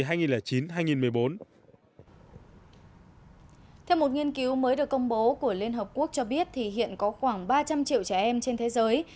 các nghiên cứu mới được công bố của liên hợp quốc cho biết hiện có khoảng ba trăm linh triệu trẻ em trên thế giới